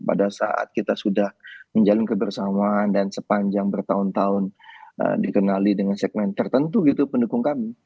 pada saat kita sudah menjalin kebersamaan dan sepanjang bertahun tahun dikenali dengan segmen tertentu gitu pendukung kami